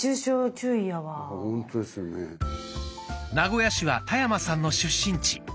名古屋市は田山さんの出身地。